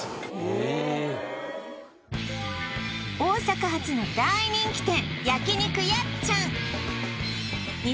え大阪発の大人気店